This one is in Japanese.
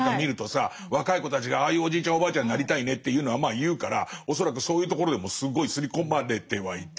若い子たちがああいうおじいちゃんおばあちゃんになりたいねっていうのはまあ言うから恐らくそういうところでもすごい刷り込まれてはいて。